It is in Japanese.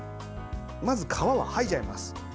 まず皮をはいじゃいます。